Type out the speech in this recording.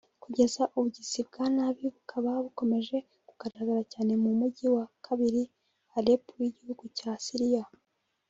Kugeza ubugizi bwa nabi bukaba bukomeje kugaragara cyane mu mujyi wa kabiri Alep w’igihugu cya Syria